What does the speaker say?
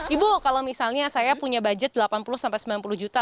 ibu kalau misalnya saya punya budget delapan puluh sampai sembilan puluh juta